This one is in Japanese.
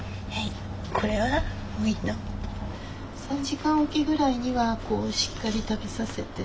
３時間おきぐらいにはしっかり食べさせて。